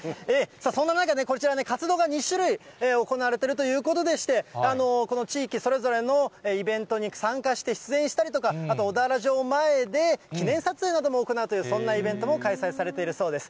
そんな中、こちら、活動が２種類行われているということでして、この地域それぞれのイベントに参加して出演したりとか、あと小田原城前で記念撮影なども行うという、そんなイベントも開催されているそうです。